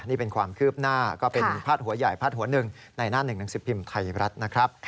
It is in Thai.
นี่เป็นความคืบหน้าก็เป็นพาดหัวใหญ่พาดหัวหนึ่งในหน้าหนึ่งหนังสือพิมพ์ไทยรัฐนะครับ